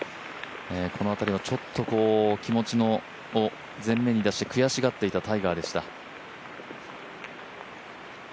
この辺りはちょっと気持ちを前面に出して悔しがっていたタイガーでした。